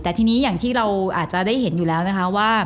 แต่ทีนี้อย่างที่เราอาจจะได้เห็นอยู่แล้วนะคะว่า